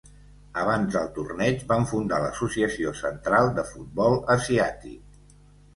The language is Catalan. Abans del torneig, van fundar l'Associació central de futbol asiàtic.